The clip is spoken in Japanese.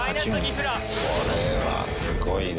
これはすごいね。